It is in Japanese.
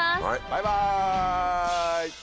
バイバイ！